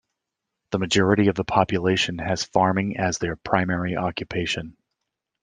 The majority of the population has farming as their primary occupation.